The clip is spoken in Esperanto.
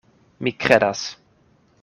Mi kredas.